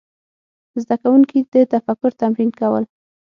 زده کوونکي د تفکر تمرین کول.